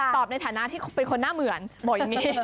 ในฐานะที่เป็นคนหน้าเหมือนบอกอย่างนี้